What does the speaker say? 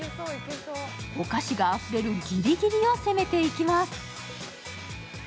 お菓子があふれるギリギリを攻めていきます。